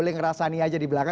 ngerasain aja di belakang